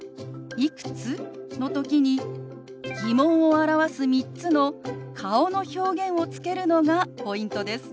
「いくつ？」の時に疑問を表す３つの顔の表現をつけるのがポイントです。